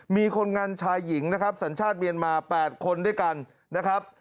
มีคนงานชายหญิงนะครับสัญชาติเมียนมา๘คนด้วยกันนะครับ